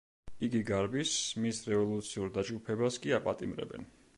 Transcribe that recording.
იგი გარბის, მის რევოლუციურ დაჯგუფებას კი აპატიმრებენ.